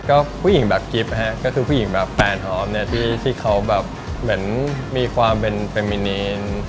ก็ผู้หญิงแบบกิฟต์ฮะก็คือผู้หญิงแบบแฟนหอมเนี่ยที่เขาแบบเหมือนมีความเป็นเปมินีน